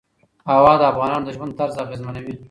هوا د افغانانو د ژوند طرز اغېزمنوي.